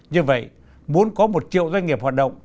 như vậy muốn có một triệu doanh nghiệp hoạt động